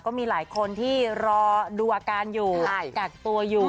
ก็มีหลายคนที่รอดูอาการอยู่กักตัวอยู่